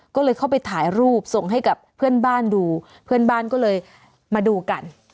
ก็เลยเข้าไปถ่ายรูปส่งให้กับเพื่อนบ้านดูเพื่อนบ้านก็เลยมาดูกัน